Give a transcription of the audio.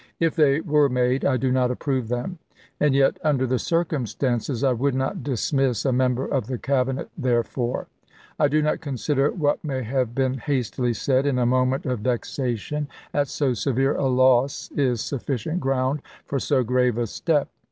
If the}^ were made, I do not approve them ; and yet, under the circum stances, I would not dismiss a member of the Cab inet therefor. I do not consider what may have been hastily said in a moment of vexation at so severe a loss is sufficient ground for so grave a step.